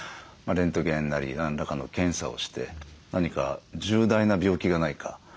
レントゲンなり何らかの検査をして何か重大な病気がないか。